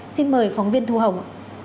xin mời phóng viên thu hồng